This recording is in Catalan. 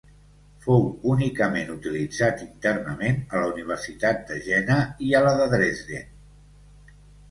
Fou únicament utilitzat internament a la Universitat de Jena i a la de Dresden.